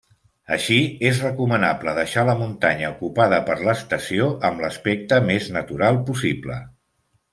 Així, és recomanable, deixar la muntanya ocupada per l'estació amb l'aspecte més natural possible.